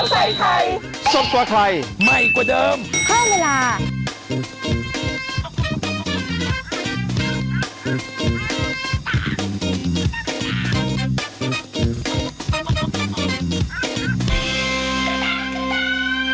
ขอให้ต้องไปขายไว